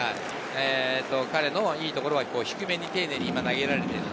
彼のいいところは低めに丁寧に投げられている。